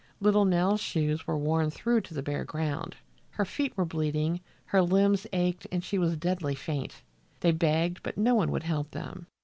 Little Nell's shoes were worn through to the bare ground, her feet were bleeding, her limbs ached and she was deadly faint. They begged, but no one would help them.